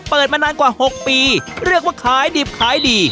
เปิดมานานกว่า๖ปีเรียกว่าขายดิบขายดี